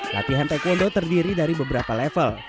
latihan taekwondo terdiri dari beberapa level